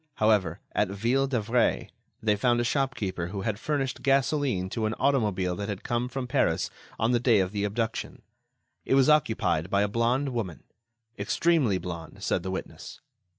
However, at Ville d'Avray, they found a shopkeeper who had furnished gasoline to an automobile that had come from Paris on the day of the abduction. It was occupied by a blonde woman—extremely blonde, said the witness.